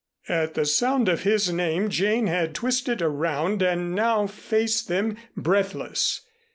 At the sound of his name Jane had twisted around and now faced them, breathless.